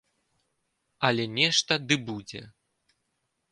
Але нешта ды будзе.